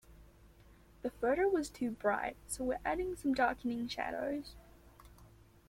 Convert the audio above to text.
The photo was too bright so we're adding some darkening shadows.